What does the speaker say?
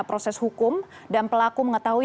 proses hukum dan pelaku mengetahui